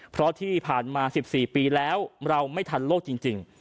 เพราะที่ผ่านมา๑๔ปีแล้วเราไม่ทันโลกจริง